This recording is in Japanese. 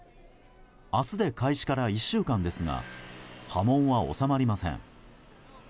明日で開始から１週間ですが波紋は収まりません。